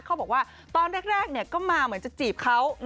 เขาบอกว่าตอนแรกก็มาเหมือนจะจีบเขา